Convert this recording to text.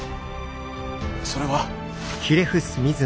それは。